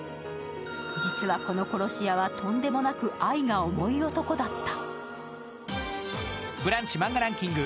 実はこの殺し屋はとんでもなく愛が重い男だった。